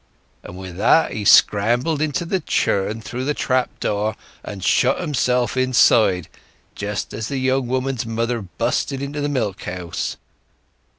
And with that he scrambled into the churn through the trap door, and shut himself inside, just as the young woman's mother busted into the milk house.